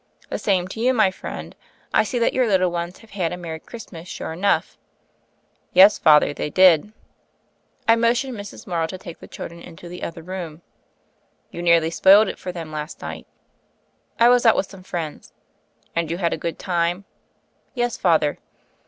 "The same to you, my friend. I see that your little ones have had! a merry Christmas, sure enough." "Yes, Father, they did." I motioned Mrs. Morrow to take the children into the other room. "You nearly spoiled it for them last night." "I was out with some friends." "And you had a good time?" "Yes, Father."